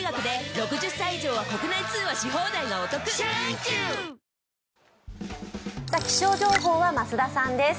気象情報は増田さんです。